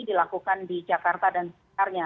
dilakukan di jakarta dan sekitarnya